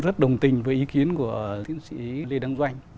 rất đồng tình với ý kiến của tiến sĩ lê đăng doanh